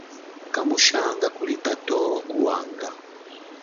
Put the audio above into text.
Kamushahanga kuli tatowo ku wanga.